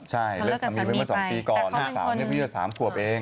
ใช่เลิกสามีไปเมื่อ๒ปีก่อนลูกสาวเนี่ยพี่จะ๓ขวบเอง